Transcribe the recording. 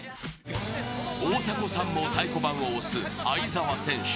大迫さんも太鼓判を押す相澤選手。